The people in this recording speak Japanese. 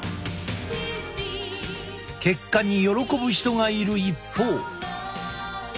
結果に喜ぶ人がいる一方。